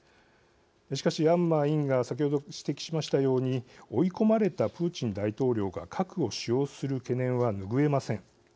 しかし安間委員が先ほど指摘しましたように追い込まれたプーチン大統領が核を使用する懸念は拭えません。